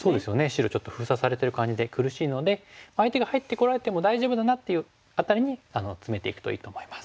白ちょっと封鎖されてる感じで苦しいので相手が入ってこられても大丈夫だなっていう辺りにツメていくといいと思います。